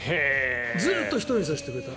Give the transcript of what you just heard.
ずっと１人にさせてくれた。